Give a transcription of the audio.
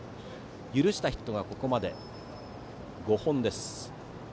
許したヒットがここまで５本です。